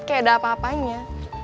kayak ada apa apanya